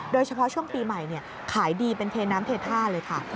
โดยเฉพาะช่วงปีใหม่ขายดีเป็นเทน้ำเทท่าเลยค่ะ